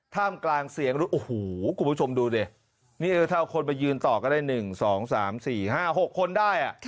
ท่ามกลางเสียงโอ้โหคุณผู้ชมดูดินี่ถ้าเอาคนมายืนต่อก็ได้๑๒๓๔๕๖คนได้